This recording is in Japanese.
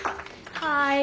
はい。